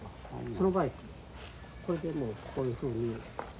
その場合これでもうこういうふうに。